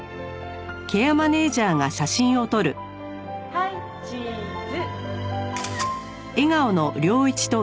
はいチーズ！